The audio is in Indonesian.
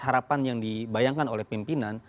harapan yang dibayangkan oleh pimpinan